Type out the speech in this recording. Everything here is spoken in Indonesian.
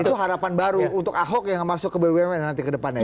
itu harapan baru untuk ahok yang masuk ke bumn nanti ke depannya